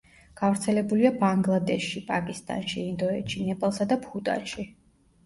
გავრცელებულია ბანგლადეშში პაკისტანში, ინდოეთში, ნეპალსა და ბჰუტანში.